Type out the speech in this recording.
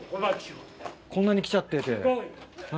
こんなに来ちゃってて。